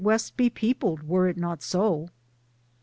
3 West be peopled were it not so ?